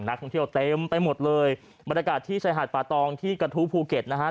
นักท่องเที่ยวเต็มไปหมดเลยบรรยากาศที่ชายหาดป่าตองที่กระทู้ภูเก็ตนะฮะ